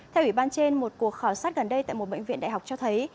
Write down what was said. theo ủy ban trên một cuộc khảo sát gần đây tại một bệnh viện đại học cho thấy